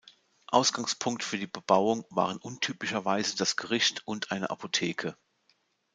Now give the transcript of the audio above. Ausgangspunkt für die Bebauung waren untypischerweise das Gericht und eine Apotheke.